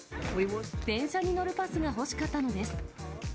電車に乗るパスが欲しかったのです。